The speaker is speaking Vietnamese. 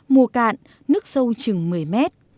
mùa cạn nước sâu chừng một mươi mét